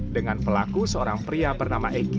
dengan pelaku seorang pria bernama egy